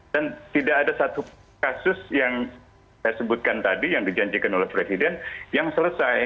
dan tidak ada satu kasus yang saya sebutkan tadi yang dijanjikan oleh presiden yang selesai